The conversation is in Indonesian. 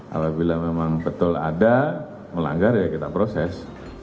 apabila memang betul ada melanggar ya kita proses